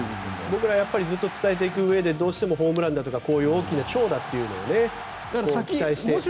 僕らはずっと伝えていくうえでどうしてもホームランとかこういう大きな長打というのを期待して。